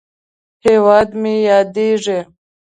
هیواد مې ياديږي